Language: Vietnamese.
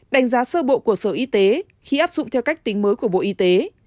đánh giá sơ bộ của sở y tế khi áp dụng theo cách tính mới của bộ y tế